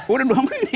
udah dua menit